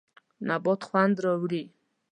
نبات خوند راوړي.